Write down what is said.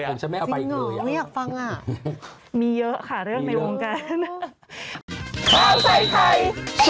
เหมือนฉันแม่เอาไปอีกเลยอ่ะจริงเหรอไม่อยากฟังอ่ะมีเยอะค่ะเรื่องในวงการ